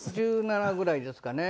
１７ぐらいですかね。